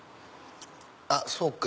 あっそうか！